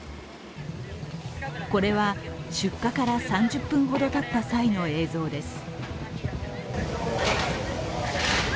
これは出火から３０分ほどたった際の映像です。